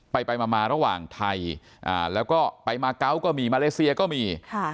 ไปไปมาระหว่างไทยแล้วก็ไปมาเกาะก็มีมาเลเซียก็มี